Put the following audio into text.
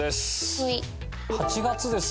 はい。